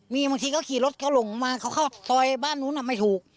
มีบางทีก็ขี่รถเขาหลงมาเขาเข้าซอยบ้านนู้นไม่ถูก